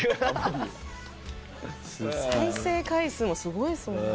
再生回数もすごいですもんね。